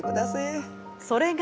それが。